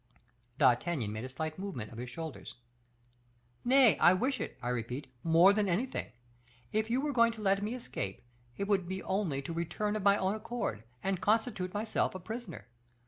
D'Artagnan made a slight movement of his shoulders. "Nay, I wish it, I repeat, more than anything; if you were to let me escape, it would be only to return of my own accord, and constitute myself a prisoner.